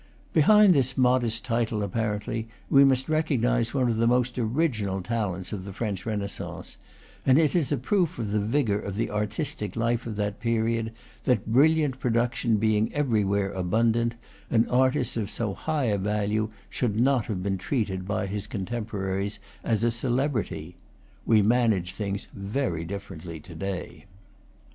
_ Behind this modest title, apparently, we must recognize one of the most original talents of the French Renaissance; and it is a proof of the vigor of the artistic life of that period that, brilliant pro duction being everywhere abundant, an artist of so high a value should not have been treated by his con temporaries as a celebrity. We manage things very differently to day.